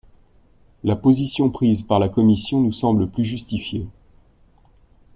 La position prise par la commission nous semble plus justifiée.